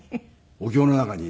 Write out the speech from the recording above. お経の中に？